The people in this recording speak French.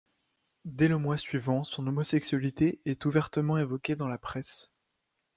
Dès le mois suivant, son homosexualité est ouvertement évoquée dans la presse.